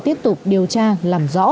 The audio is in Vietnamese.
tiếp tục điều tra làm rõ